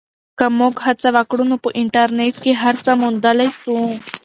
که موږ هڅه وکړو نو په انټرنیټ کې هر څه موندلی سو.